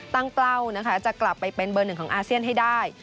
เกล้านะคะจะกลับไปเป็นเบอร์หนึ่งของอาเซียนให้ได้